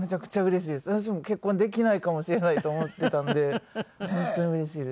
私も結婚できないかもしれないと思っていたんで本当にうれしいです。